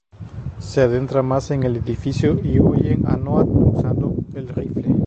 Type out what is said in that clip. Se adentran más en el edificio y oyen a Noah usando el rifle.